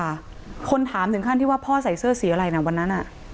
คนถามถึงขั้นที่ว่าพ่อใส่เสื้อสีอะไรนะวันนั้นอ่ะ